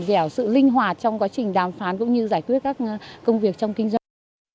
dẻo sự linh hoạt trong quá trình đàm phán cũng như giải quyết các công việc trong kinh doanh